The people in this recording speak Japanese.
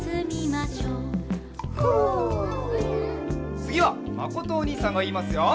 つぎはまことおにいさんがいいますよ。